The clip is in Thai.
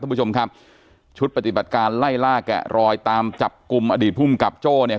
ผู้ชมครับชุดปฏิบัติการไล่ล่าแกะรอยตามจับกลุ่มอดีตภูมิกับโจ้เนี่ย